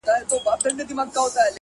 هره تېروتنه د نوي فهم دروازه ده